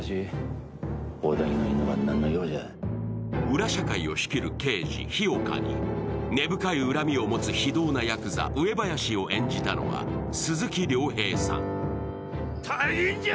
裏社会を仕切る刑事、日岡に根深い恨みを持つ非道なやくざ、上林を演じたのは鈴木亮平さん。